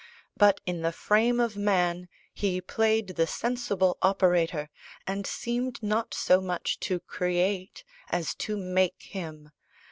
But in the frame of man He played the sensible operator, and seemed not so much to create as to make him.